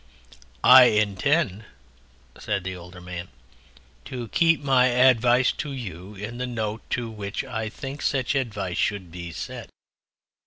"I intend," said the Older Man, "to keep my advice to you in the note to which I think such advice should be set.